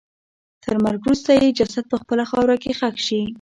تر مرګ وروسته یې جسد په خپله خاوره کې ښخ شي.